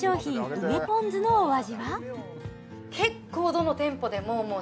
梅ぽん酢のお味は？